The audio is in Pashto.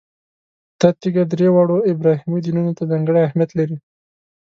دا تیږه درې واړو ابراهیمي دینونو ته ځانګړی اهمیت لري.